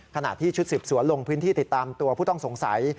ขณะที่ชุดสืบสวนลงพื้นที่ติดตามตัวผู้ต้องสงสัย